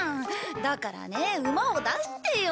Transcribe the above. だからね馬を出してよ。